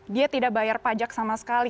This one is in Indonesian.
dia tidak bayar pajak sama sekali